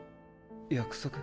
約束？